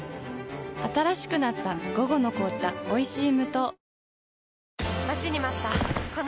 新しくなった「午後の紅茶おいしい無糖」